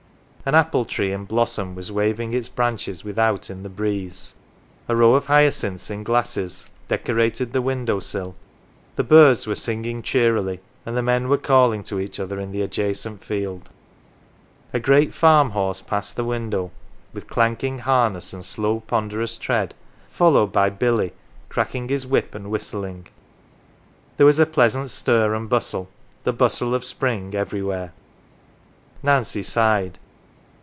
An apple tree in blossom was waving its branches without in the breeze, a row of hyacinths in glasses decorated the window sill, the birds were singing cheerily, and men were calling to each .other in the adjacent field. A great farm horse passed the window, with clanking harness and slow, ponderous tread, followed by Billy, cracking his whip and whistling. 'There was a pleasant stir arid bustle the bustle of spring everywhere. Nancy sighed.